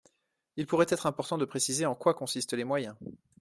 » Il pourrait être important de préciser en quoi consistent les moyens.